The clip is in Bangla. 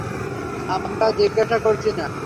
আমরা জিজ্ঞাসা করছি না?